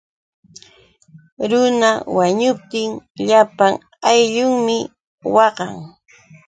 Runa wañuptin llapan ayllunmi waqan.